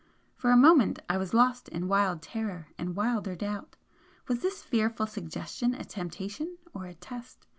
For a moment I was lost in wild terror and wilder doubt. Was this fearful suggestion a temptation or a test?